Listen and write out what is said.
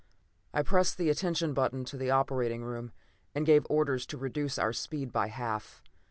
I pressed the attention button to the operating room, and gave orders to reduce our speed by half.